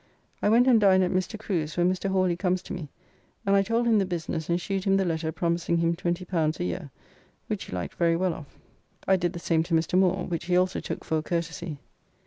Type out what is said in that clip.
I went and dined at Mr. Crew's, where Mr. Hawly comes to me, and I told him the business and shewed him the letter promising him L20 a year, which he liked very well of. I did the same to Mr. Moore, which he also took for a courtesy.